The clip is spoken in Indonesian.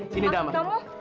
sini dah mbak